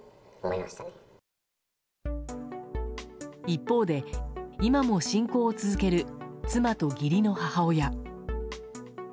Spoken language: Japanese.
一方で、今も信仰を続ける妻と義理の母親。